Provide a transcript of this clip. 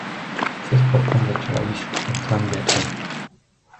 Se sportem začala již v útlém věku.